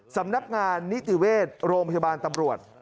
สำนักงานนิติเวชโรงพยาบาลตำรวจ